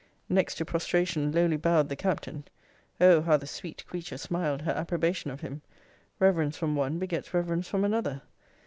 Next to prostration lowly bowed the Captain. O how the sweet creature smiled her approbation of him! Reverence from one begets reverence from another.